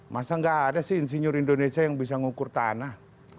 masa nggak ada sih insinyur indonesia yang bisa ngukur tanah